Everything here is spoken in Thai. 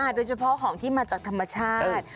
โดยเฉพาะของที่มาจากธรรมชาติ